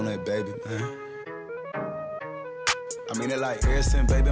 tapi sebenernya disana ya